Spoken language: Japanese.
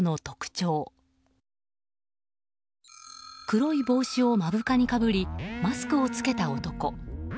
黒い帽子を目深にかぶりマスクを着けた男。